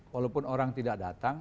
walaupun orang tidak datang